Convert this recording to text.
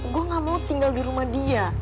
gue gak mau tinggal di rumah dia